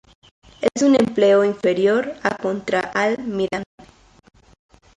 Es un empleo inferior a contraalmirante.